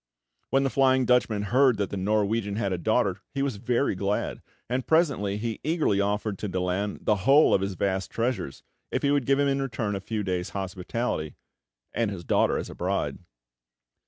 When the Flying Dutchman heard that the Norwegian had a daughter, he was very glad; and presently he eagerly offered to Daland the whole of his vast treasures, if he would give him in return a few days' hospitality, and his daughter as a bride.